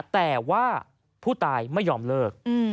แต่ว่าผู้ตายไม่ยอมเลิก